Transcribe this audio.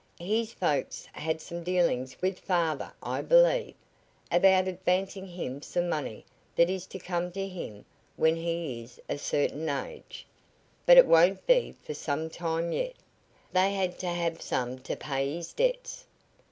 His folks had some dealings with father, I believe, about advancing him some money that is to come to him when he is a certain age, but it won't be for some time yet. They had to have some to pay his debts."